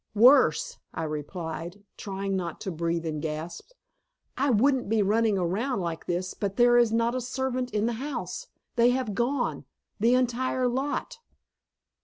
"Worse," I replied, trying not to breathe in gasps. "I wouldn't be running around like this but there is not a servant in the house! They have gone, the entire lot."